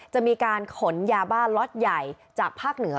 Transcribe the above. จะมีการขนยาบ้าล็อตใหญ่จากภาคเหนือ